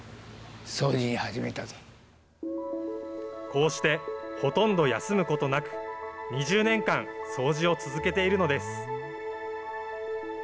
こうして、ほとんど休むことなく、２０年間、掃除を続けているのです。